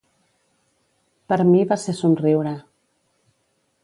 Per mi va ser somriure.